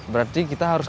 berarti kita harus